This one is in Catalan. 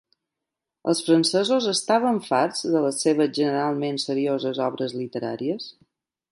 Els francesos estaven farts de les seves generalment serioses obres literàries?